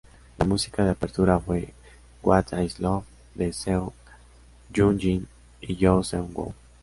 La música de apertura fue "What Is Love" de Seo Hyun-jin y Yoo Seung-woo.